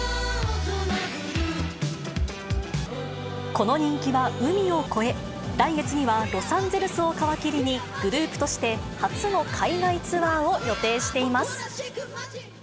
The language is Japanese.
この人気は、海を越え、来月にはロサンゼルスを皮切りに、グループとして初の海外ツアーを予定しています。